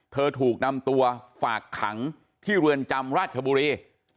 ถูกนำตัวฝากขังที่เรือนจำราชบุรี